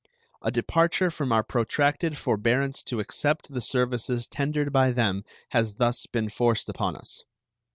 A departure from our protracted forbearance to accept the services tendered by them has thus been forced upon us.